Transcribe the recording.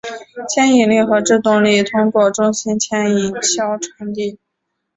牵引力和制动力通过中心牵引销传递。